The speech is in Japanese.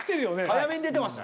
早めに出てました。